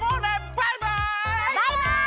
バイバイ！